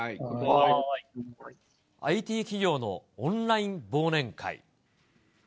ＩＴ企業のオンライン忘年会。